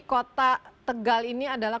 kota tegal ini adalah